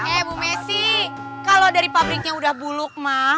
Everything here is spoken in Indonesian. eh bu messi kalau dari pabriknya udah buluk mah